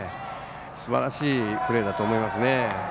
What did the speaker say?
すばらしいプレーだと思います。